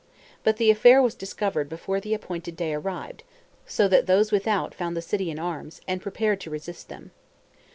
But the affair was discovered before the appointed day arrived, so that those without found the city in arms, and prepared to resist them.